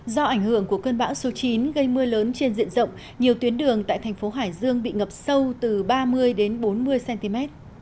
do ảnh hưởng của cơn bão số chín gây mưa lớn trên diện rộng nhiều tuyến đường tại thành phố hải dương bị ngập sâu từ ba mươi đến bốn mươi cm